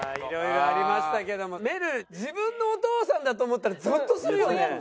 いや色々ありましたけどもめるる自分のお父さんだと思ったらぞっとするよね。